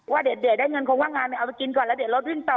ว่าเดี๋ยวได้เงินคงว่างงานเอาไปกินก่อนแล้วเดี๋ยวรถวิ่งต่อ